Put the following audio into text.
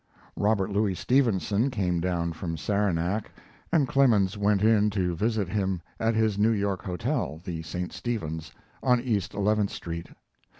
Robert Louis Stevenson came down from Saranac, and Clemens went in to visit him at his New York hotel, the St. Stevens, on East Eleventh Street.